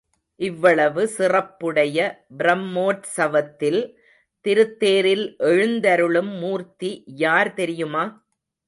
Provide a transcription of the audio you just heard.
இவ்வளவு சிறப்புடைய பிரம்மோற்சவத்தில் திருத்தேரில் எழுந்தருளும் மூர்த்தி யார் தெரியுமா?